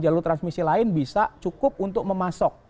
jalur transmisi lain bisa cukup untuk memasok